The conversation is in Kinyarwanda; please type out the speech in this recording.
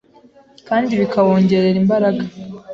kandi bikawongerera imbaraga.